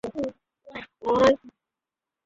ডিউটিতে জয়েন করেছেন?